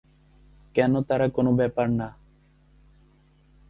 কেন তারা কোন ব্যাপার না?